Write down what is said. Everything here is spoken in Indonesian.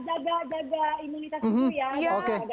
jaga jaga imunitas tubuh ya